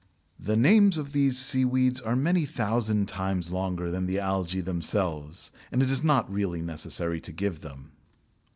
The names of these seaweeds are many thousand times longer than the algæ themselves, and it is not really necessary to give them.